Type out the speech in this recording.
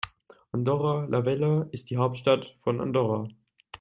Andorra la Vella ist die Hauptstadt von Andorra.